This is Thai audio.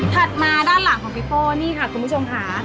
มาด้านหลังของพี่โป้นี่ค่ะคุณผู้ชมค่ะ